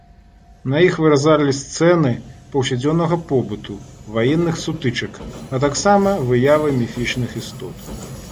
На іх выразалі сцэны паўсядзённага побыту, ваенных сутычак, а таксама выявы міфічных істот.